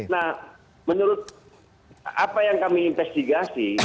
nah menurut apa yang kami investigasi